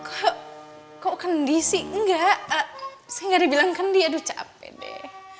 eh kok kendi sih enggak saya gak ada bilang kendi aduh capek deh